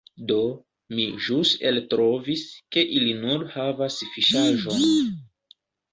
Do, mi ĵus eltrovis, ke ili nur havas fiŝaĵon